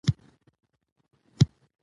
هلمند سیند د افغانانو ژوند اغېزمن کوي.